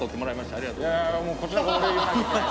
ありがとうございます。